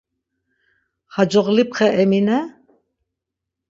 Xacoğlipxe Emine?